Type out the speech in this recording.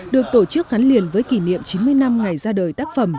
được tổ chức gắn liền với kỷ niệm chín mươi năm ngày ra đời tác phẩm